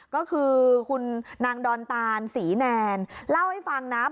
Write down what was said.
ก็คือคุณนางดอนอาจารย์ศรีแนนเขาเล่าให้ฟังครับ